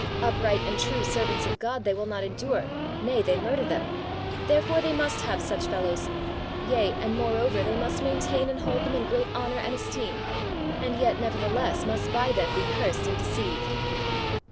Upright and true servants of God they will not endure, nay, they murder them, therefore they must have such fellows, yea, and moreover, they must maintain and hold them in great honour and esteem, and yet nevertheless must by them be cursed and deceived.